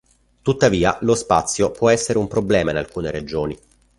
Tuttavia lo spazio può essere un problema in alcune regioni.